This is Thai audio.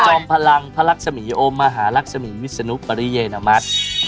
จอมพลังพระลักษมีโอมหาลักษมีวิศนุปริเยนมัติ